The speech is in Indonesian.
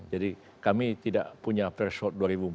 jadi kami tidak punya threshold dua ribu empat belas